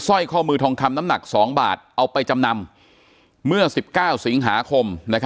ร้อยข้อมือทองคำน้ำหนัก๒บาทเอาไปจำนำเมื่อ๑๙สิงหาคม